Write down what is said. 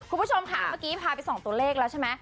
คุณผู้ชมค่ะเมื่อกี้พาไปส่องตัวเลขแล้วใช่ไหม